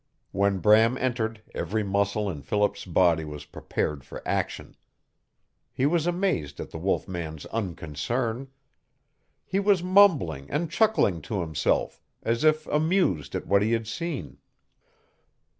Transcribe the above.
When Bram entered every muscle in Philip's body was prepared for action. He was amazed at the wolf man's unconcern. He was mumbling and chuckling to himself, as if amused at what he had seen.